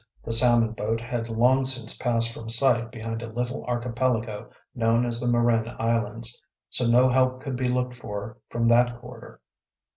The salmon boat had long since passed from sight behind a little archipelago known as the Marin Islands, so no help could be looked for from that quarter.